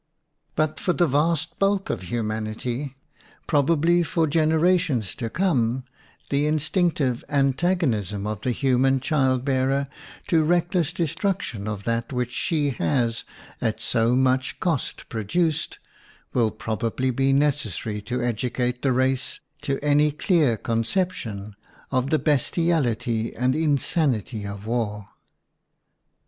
But for the vast bulk of humanity, WOMAN AND WAR probably for generations to come, the instinctive antagonism of the human child bearer to reckless destruction of that which she has at so much cost pro duced will probably be necessary to educate the race to any clear conception of the bestiality and insanity of war.